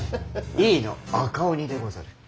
井伊の赤鬼でござる。